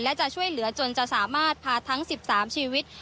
และจะช่วยเหลือจนจะสามารถพาทั้ง๑๓ชีวิต